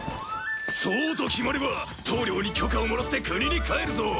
そうと決まれば頭領に許可をもらって国に帰るぞ！